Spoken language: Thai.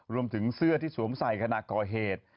รวมถึงเสื้อที่สวมใส่ขณะก่อเหตุ